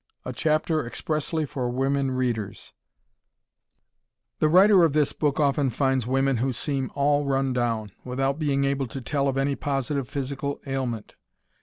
A CHAPTER EXPRESSLY FOR WOMEN READERS The writer of this book often finds women who seem "all run down," without being able to tell of any positive physical ailment.